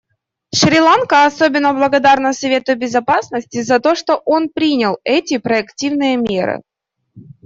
Шри-Ланка особенно благодарна Совету Безопасности за то, что он принял эти проактивные меры.